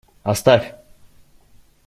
Оставь!